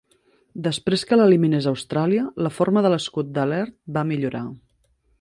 Després que l'eliminés Austràlia, la forma de l'escut de Laird va millorar.